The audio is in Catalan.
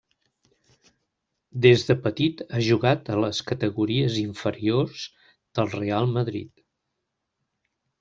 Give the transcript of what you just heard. Des de petit ha jugat a les categories inferiors del Reial Madrid.